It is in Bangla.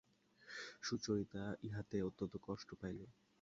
সুচরিতা ইহাতে অত্যন্ত কষ্ট পাইল।